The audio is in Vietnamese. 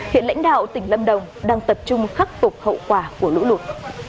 hiện lãnh đạo tỉnh lâm đồng đang tập trung khắc phục hậu quả của lũ lụt